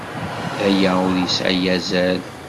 Aya ur yesɛi azal.